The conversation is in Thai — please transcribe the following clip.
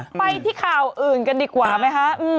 ไปที่ข่าวอื่นกันดีกว่าไหมคะ